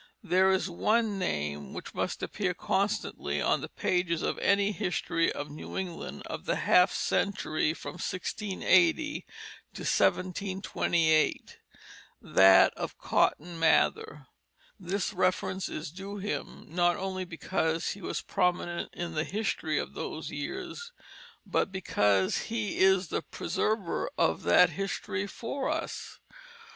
There is one name which must appear constantly on the pages of any history of New England of the half century from 1680 to 1728, that of Cotton Mather. This reference is due him not only because he was prominent in the history of those years, but because he is the preserver of that history for us.